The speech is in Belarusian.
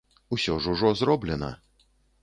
Усё ж ужо зроблена.